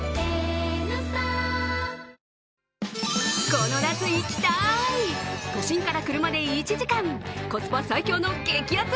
この夏、行きたい、都心から車で１時間、コスパ最強の激アツ